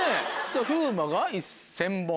さぁ風磨が１０００本。